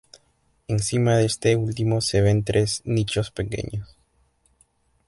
Encima de este último se ven tres nichos pequeños.